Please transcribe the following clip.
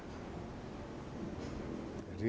saya melakukan ini untuk manusia manusia palestina